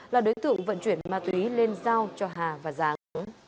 là đối tượng vận chuyển ma túy lên giao cho hà và giáng